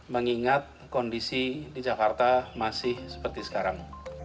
mengingat kondisi di jakarta masih seperti sekarang